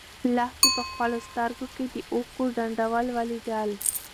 لښتې په خپلو سترګو کې د اوښکو ډنډول ولیدل.